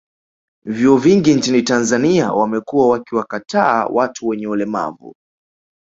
Vyuo vingi nchini Tanzania wamekuwa wakiwataaa watu wenye ulemavu